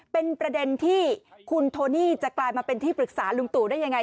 เป็นประเด็นที่คุณโทนี่จะกลายมาเป็นที่ปรึกษาลุงตู่ได้ยังไง